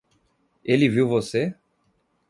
Ele viu você?